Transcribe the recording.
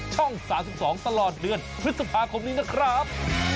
ช่อง๓๒ตลอดเดือนพฤษภาคมนี้นะครับ